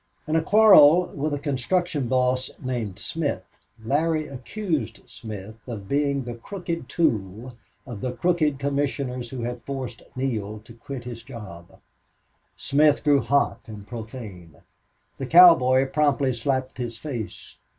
In a quarrel with a construction boss named Smith, Larry accused Smith of being the crooked tool of the crooked commissioners who had forced Neale to quit his job. Smith grew hot and profane. The cowboy promptly slapped his face.